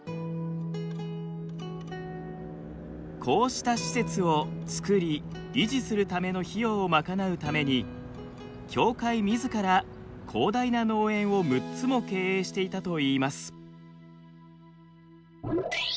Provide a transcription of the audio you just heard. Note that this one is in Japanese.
こうした施設を造り維持するための費用を賄うために教会みずから広大な農園を６つも経営していたといいます。